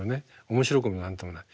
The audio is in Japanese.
面白くも何ともない。